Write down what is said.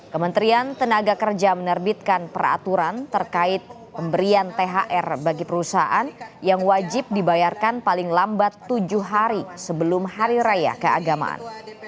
kementerian tenaga kerja menerbitkan peraturan terkait pemberian thr bagi perusahaan yang wajib dibayarkan paling lambat tujuh hari sebelum hari raya keagamaan